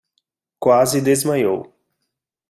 Quase desmaiou